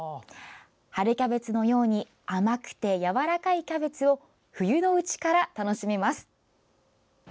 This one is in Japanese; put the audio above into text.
春キャベツのように甘くてやわらかいキャベツを冬のうちから楽しめます！